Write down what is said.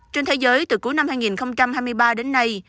trên thế giới từ cuối năm hai nghìn hai mươi ba đến nay